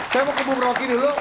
saya mau ke bung roky dulu